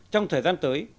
trong thời gian tới